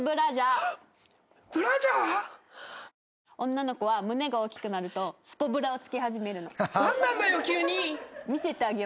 女の子は胸が大きくなるとスポブラを着け始めるの。